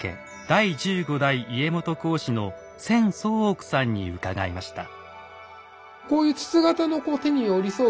第十五代家元後嗣の千宗屋さんに伺いました。